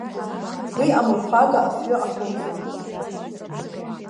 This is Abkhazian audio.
Уи амырхәага афҩы ахылҵуан.